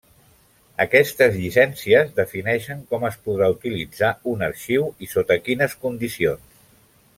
Aquestes llicències defineixen com es podrà utilitzar un arxiu i sota quines condicions.